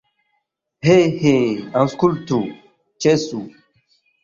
He, he, aŭskultu, ĉesu!